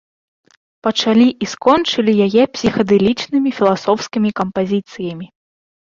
Пачалі і скончылі яе псіхадэлічнымі філасофскімі кампазіцыямі.